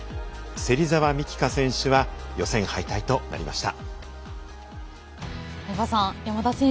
芹澤美希香選手は予選敗退となりました。